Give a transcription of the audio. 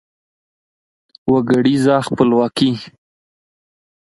وګړیزه خپلواکي